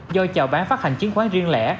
do chào bán phát hành chứng khoán riêng lẻ